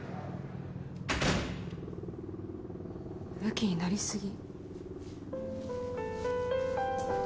むきになり過ぎ。